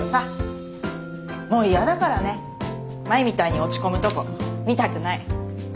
もうイヤだからね前みたいに落ち込むとこ見たくない。